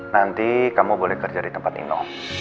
nanti kamu boleh kerja di tempat ini